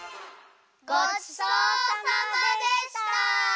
ごちそうさまでした！